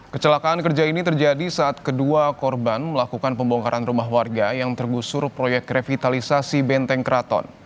kecelakaan kerja ini terjadi saat kedua korban melakukan pembongkaran rumah warga yang tergusur proyek revitalisasi benteng keraton